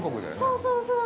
そうそうそう。